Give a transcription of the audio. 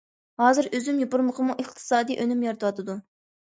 ھازىر ئۈزۈم يوپۇرمىقىمۇ ئىقتىسادىي ئۈنۈم يارىتىۋاتىدۇ.